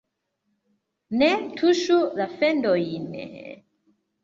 Ne tuŝu la fendojn...